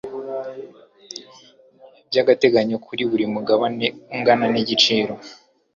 by agateganyo kuri buri mugabane ungana n igiciro